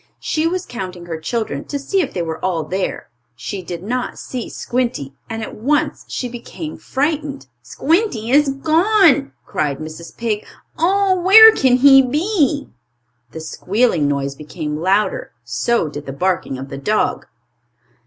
She was counting her children to see if they were all there. She did not see Squinty, and at once she became frightened. "Squinty is gone!" cried Mrs. Pig. "Oh, where can he be?" The squealing noise became louder. So did the barking of the dog.